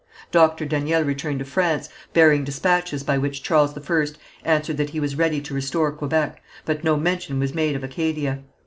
Doctor Daniel returned to France, bearing despatches by which Charles I answered that he was ready to restore Quebec, but no mention was made of Acadia.